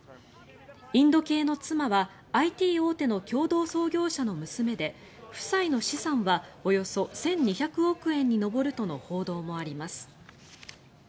インド系の妻はＩＴ大手の共同創業者の娘で夫妻の資産はおよそ１２００億円に上るとの報道もあります。